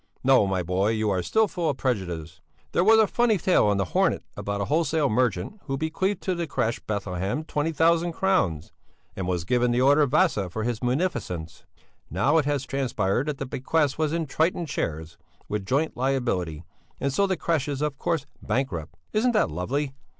No, my boy, you are still full of prejudices! There was a funny tale in the Hornet about a wholesale merchant, who bequeathed to the crèche Bethlehem twenty thousand crowns, and was given the order of Vasa for his munificence; now it has transpired that the bequest was in 'Triton' shares with joint liability, and so the crèche is of course bankrupt. Isn't that lovely?